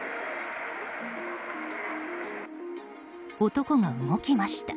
男が動きました。